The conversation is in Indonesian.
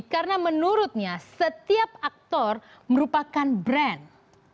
karena menurutnya setiap aktor merupakan brand